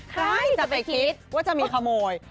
ใครจะไปคิดว่าจะมีขโมย